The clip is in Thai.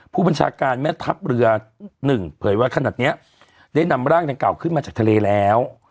ผู้บัญชาการแม่ทัพเรือ๑เผยว่าขนาดนี้ได้นำร่างดังกล่าวขึ้นมาจากทะเลแล้ว